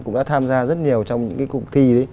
cũng đã tham gia rất nhiều trong những cuộc thi